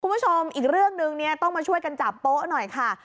คุณผู้ชมอีกเรื่องนึงเนี่ยต้องมาช่วยกันจับโต๊ะหน่อยค่ะ